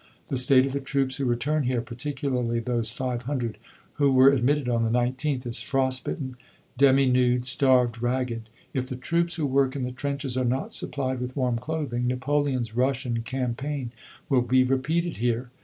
"The state of the troops who return here, particularly those 500 who were admitted on the 19th, is frost bitten, demi nude, starved, ragged. If the troops who work in the trenches are not supplied with warm clothing, Napoleon's Russian campaign will be repeated here."